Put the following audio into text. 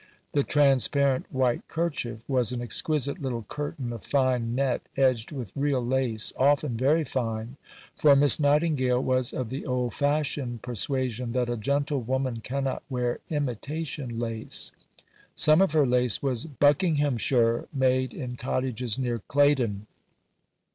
[The 'transparent white kerchief' was an exquisite little curtain of fine net, edged with real lace, often very fine; for Miss Nightingale was of the old fashioned persuasion that a gentlewoman cannot wear imitation lace. Some of her lace was Buckinghamshire, made in cottages near Claydon.